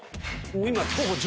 今。